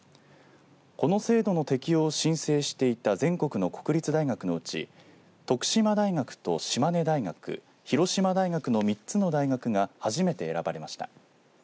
この制度の適用を申請していた全国の国立大学のうち徳島大学と島根大学広島大学の３つの大学が初めて選ばれました。